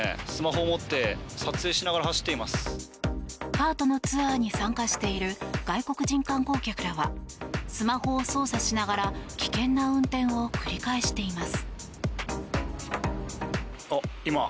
カートのツアーに参加している外国人観光客らはスマホを操作しながら危険な運転を繰り返しています。